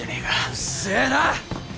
うっせえな！